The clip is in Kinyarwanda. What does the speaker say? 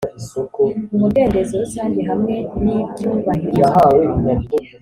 umudendezo rusange hamwe n ibyubahirizwa